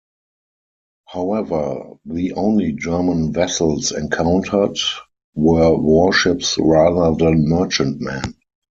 However, the only German vessels encountered were warships rather than merchantmen.